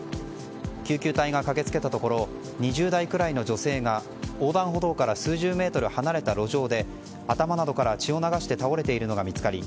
救急隊が駆けつけたところ２０代くらいの女性が横断歩道から数十メートル離れた路上で頭などから血を流して倒れているのが見つかり